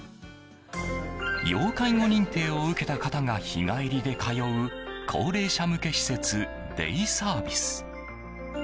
要介護認定を受けた方が日帰りで通う高齢者向け施設デイサービス。